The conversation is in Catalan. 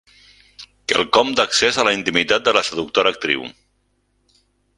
Quelcom d'accés a la intimitat de la seductora actriu.